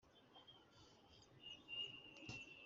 Umuyobozi Mukuru atanga icyemezo